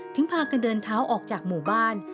พากันเดินเท้าออกจากหมู่บ้าน